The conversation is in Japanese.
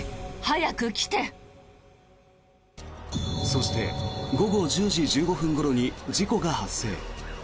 そして午後１０時１５分ごろに事故が発生。